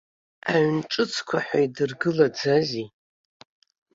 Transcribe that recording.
Аҩын ҿыцқәа ҳәа идыргылаӡазеи!